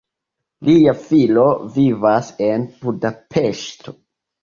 Lia filo vivas en Budapeŝto.